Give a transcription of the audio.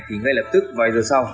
thì ngay lập tức vài giờ sau